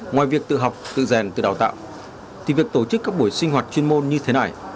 ngoài việc tự học tự rèn tự đào tạo thì việc tổ chức các buổi sinh hoạt chuyên môn như thế này